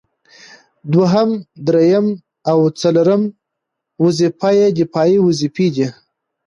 دوهم، دريمه او څلورمه وظيفه يې دفاعي وظيفي دي